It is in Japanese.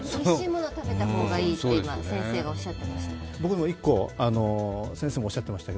おいしいもの食べた方がいいって先生がおっしゃってました。